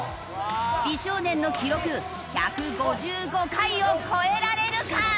美少年の記録１５５回を超えられるか？